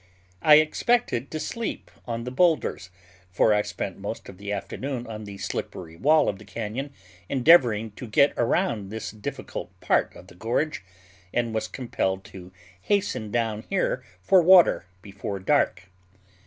I expected to sleep on the boulders, for I spent most of the afternoon on the slippery wall of the cañon, endeavoring to get around this difficult part of the gorge, and was compelled to hasten down here for water before dark.